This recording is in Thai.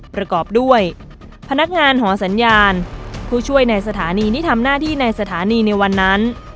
ประกอบด้วยพนักงานหอสัญญาณผู้ช่วยในสถานีที่ทำหน้าที่ในสถานีในวันนั้น